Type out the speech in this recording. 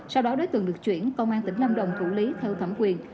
sau đó đối tượng được chuyển công an tỉnh lâm đồng thủ lý theo thẩm quyền